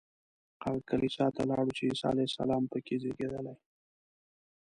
هغه کلیسا ته لاړو چې عیسی علیه السلام په کې زېږېدلی.